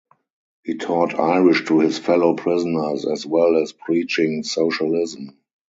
He taught Irish to his fellow prisoners as well as preaching Socialism.